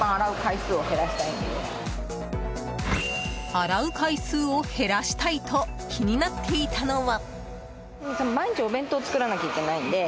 洗う回数を減らしたいと気になっていたのは。